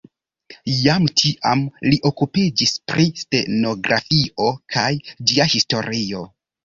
Jam tiam li okupiĝis pri stenografio kaj ĝia historio.